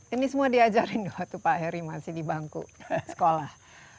ini semua diajarin waktu pak heri masih di bangku sekolah